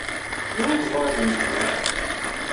Anwa ay teẓra deg umezgun?